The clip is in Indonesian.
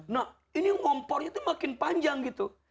nah ini ngompornya itu makin panjang gitu